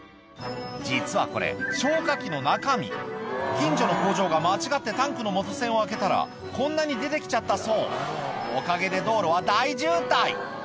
実はこれ近所の工場が間違ってタンクの元栓を開けたらこんなに出て来ちゃったそうおかげで道路は大渋滞